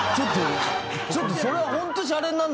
ちょっとそれはホント。